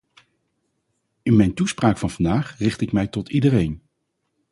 In mijn toespraak van vandaag richt ik mij tot iedereen ...